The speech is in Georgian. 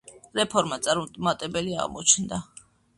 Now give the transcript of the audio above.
რეფორმა წარუმატებელი აღმოჩნდა.